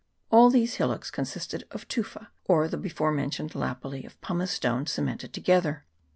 All these hillocks consisted of tufa, or the before men tioned lapilli of pumicestone, cemented together.